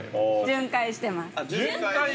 ◆巡回してます。